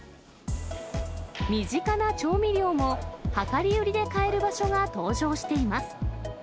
身近な調味料も、量り売りで買える場所が登場しています。